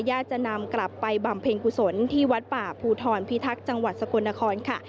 ญาติจะนำกลับไปบำเพ็ญกุศลที่วัดป่าภูทรพิทักษ์จังหวัดสกลนครค่ะ